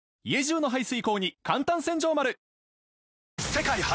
世界初！